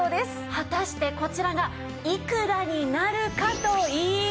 果たしてこちらがいくらになるかといいますと。